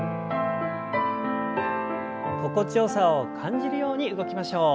心地よさを感じるように動きましょう。